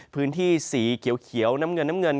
พื้นที่สีเขียวน้ำเงินน้ำเงิน